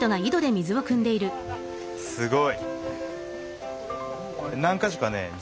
すごい。